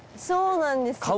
そうなんです。